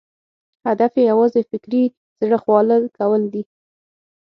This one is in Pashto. هدف یې یوازې فکري زړه خواله کول دي.